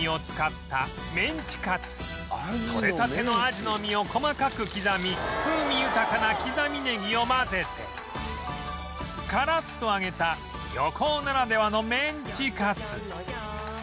とれたてのアジの身を細かく刻み風味豊かな刻みネギを混ぜてカラッと揚げた漁港ならではのメンチカツ